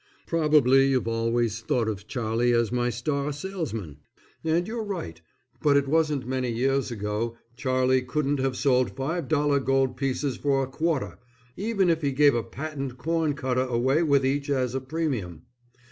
Probably you've always thought of Charlie as my star salesman and you're right, but it wasn't many years ago Charlie couldn't have sold five dollar gold pieces for a quarter, even if he gave a patent corn cutter away with each as a premium.